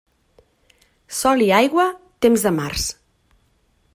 Sol i aigua, temps de març.